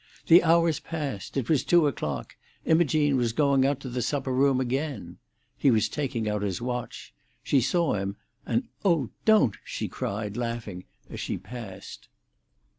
The hours passed; it was two o'clock; Imogene was going out to the supper room again. He was taking out his watch. She saw him, and "Oh, don't!" she cried, laughing, as she passed.